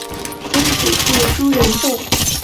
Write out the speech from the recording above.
曾祖父朱仁仲。